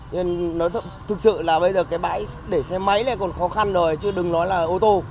nên nó thực sự là bây giờ cái bãi để xe máy lại còn khó khăn rồi chứ đừng nói là ô tô